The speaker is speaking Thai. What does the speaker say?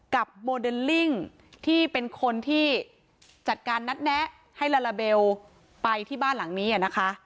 โมเดลลิ่งที่เป็นคนที่จัดการนัดแนะให้ลาลาเบลไปที่บ้านหลังนี้นะคะ